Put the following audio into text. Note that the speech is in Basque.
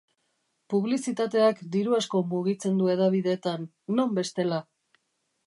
Publizitateak diru asko mugitzen du hedabideetan, non bestela?